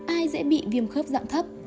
ai dễ bị viêm khớp dạng thấp